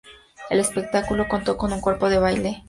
El espectáculo contó con un cuerpo de baile y un coro Góspel.